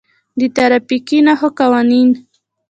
د ترافیکي نښو قوانین: